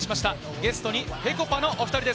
ゲストにぺこぱのお２人です。